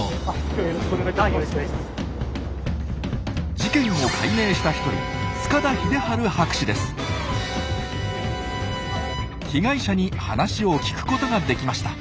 事件を解明した一人被害者に話を聞くことができました。